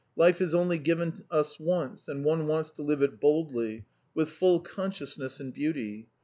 Life is only given us once, and one wants to live it boldly, with full consciousness and beauty.